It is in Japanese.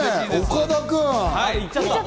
岡田君。